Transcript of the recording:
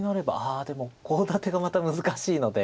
ああでもコウ立てがまた難しいので。